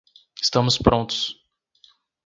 Estamos prontos